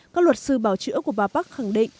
các luật sư bảo chữa của bà park khẳng định